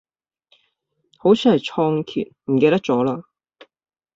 好似係倉頡，唔記得咗嘞